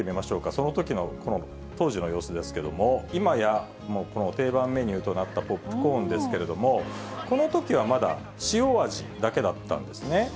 そのときの当時の様子ですけれども、今や定番メニューとなったポップコーンですけれども、このときはまだ塩味だけだったんですね。